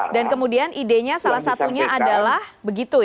dan kemudian idenya salah satunya adalah begitu ya